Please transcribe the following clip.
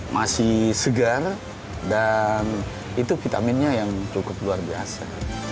masih segar dan itu vitaminnya yang cukup luar biasa